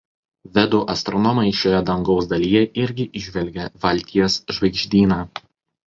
Vedų astronomai šioje dangaus dalyje irgi įžvelgė „Valties“ žvaigždyną.